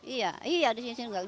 iya iya di sini